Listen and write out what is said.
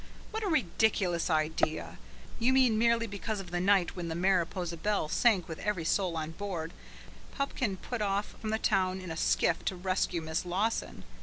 What a ridiculous idea. You mean merely because on the night when the Mariposa Belle sank with every soul on board, Pupkin put off from the town in a skiff to rescue Miss Lawson.